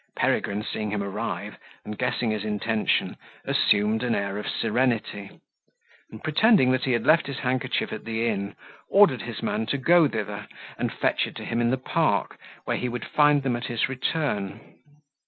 Peregrine, seeing him arrive, and guessing his intention, assumed an air of serenity; and pretending that he had left his handkerchief at the inn, ordered his man to go thither and fetch it to him in the park, where he would find them at his return.